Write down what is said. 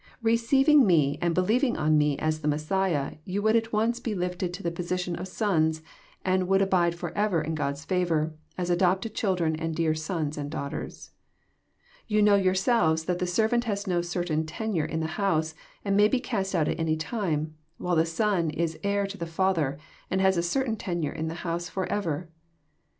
— Receiv ing Me and believing on Me as the Messiah, you would at once be lifted to the position of sons, and would abide forever in God's favour, as adopted children and dear sons and daughters. —Yon know yourselves that the servant has no certain tenure in the house, and may be cast out at any time ; while the Son is heir to the Father, tind has a certain tenure in the house for ever.